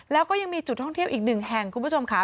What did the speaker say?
แล้วก็ยังมีจุดท่องเที่ยวอีกหนึ่งแห่งคุณผู้ชมค่ะ